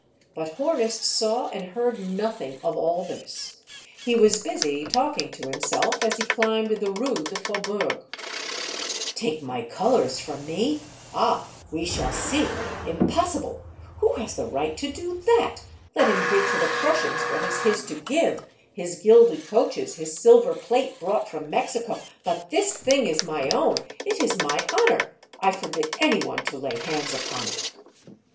But Hornus saw and heard nothing of all this. He was busy talking to himself, as he climbed the Rue du Faubourg. 122 Monday Tales, *^ Take my colors from me ! Ah ! we shall see. Impossible ! Who has the right to do that? Let him give to the Prussians what is his to give, his gilded coaches, his silver plate brought from Mexico ; but this thing is my own, — it is my honor. I forbid any one to lay hands upon it."